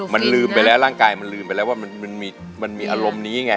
มันลืมไปแล้วร่างกายมันลืมไปแล้วว่ามันมีอารมณ์นี้ไง